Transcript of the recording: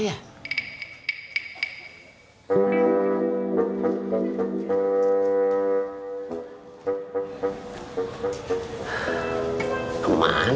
sebagai suuuur dendam